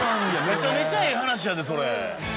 めちゃめちゃええ話やでそれ。